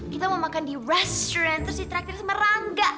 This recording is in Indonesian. kita mau makan di restaurant terus di traktir semarangga